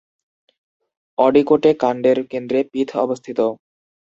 অডিকোটে, কান্ডের কেন্দ্রে পিথ অবস্থিত।